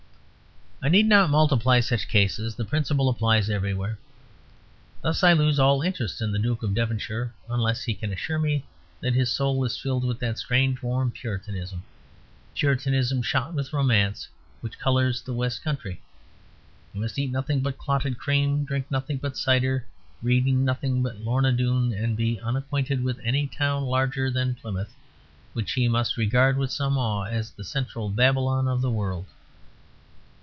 I need not multiply such cases; the principle applies everywhere. Thus I lose all interest in the Duke of Devonshire unless he can assure me that his soul is filled with that strange warm Puritanism, Puritanism shot with romance, which colours the West Country. He must eat nothing but clotted cream, drink nothing but cider, reading nothing but 'Lorna Doone', and be unacquainted with any town larger than Plymouth, which he must regard with some awe, as the Central Babylon of the world.